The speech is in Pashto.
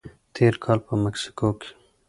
تېر کال په مسکو کې